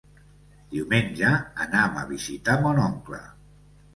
Diumenge anam a visitar mon oncle.